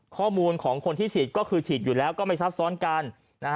ข้อมูลของคนที่ฉีดก็คือฉีดอยู่แล้วก็ไม่ซับซ้อนกันนะฮะ